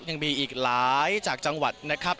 ยังมีอีกหลายจากจังหวัดนะครับ